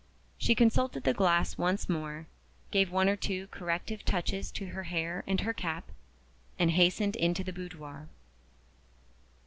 She consulted the glass once more gave one or two corrective touches to her hair and her cap and hastened into the boudoir.